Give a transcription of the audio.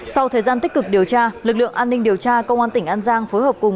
sau thời gian tích cực điều tra lực lượng an ninh điều tra công an tỉnh an giang phối hợp cùng